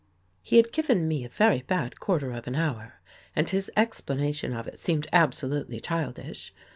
He had given me a very bad quarter of an hour and his explanation of it seemed absolutely childish.